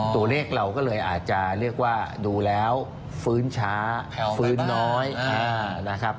ตัวเลขเราก็เลยอาจจะเรียกว่าดูแล้วฟื้นช้าฟื้นน้อยนะครับ